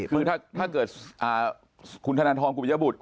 คือถ้าเกิดคุณธนทรคุณพิยบุธ